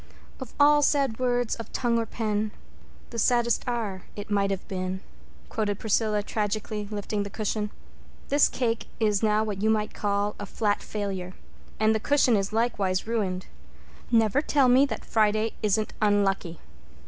"'Of all sad words of tongue or pen The saddest are it might have been,'" quoted Priscilla tragically, lifting the cushion. "This cake is now what you might call a flat failure. And the cushion is likewise ruined. Never tell me that Friday isn't unlucky."